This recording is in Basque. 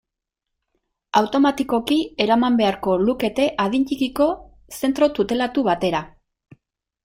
Automatikoki eraman beharko lukete adin txikiko zentro tutelatu batera.